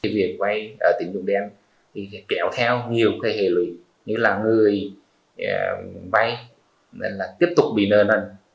việc vay tín dụng đen thì kéo theo nhiều cơ hệ lùi như là người vay tiếp tục bị nợ nần